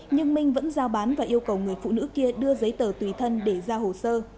nhưng minh vẫn giao bán và yêu cầu người phụ nữ kia đưa giấy tờ tùy thân để ra hồ sơ